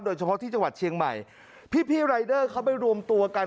โดยเฉพาะที่จังหวัดเชียงใหม่พี่พี่รายเดอร์เขาไปรวมตัวกัน